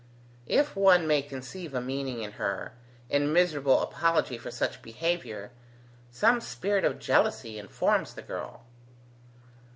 If one may conceive a meaning in her, in miserable apology for such behaviour, some spirit of jealousy informs the girl."